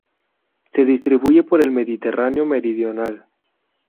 Se distribuye por el Mediterráneo meridional.